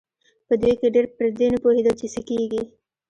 په دوی کې ډېر پر دې نه پوهېدل چې څه کېږي.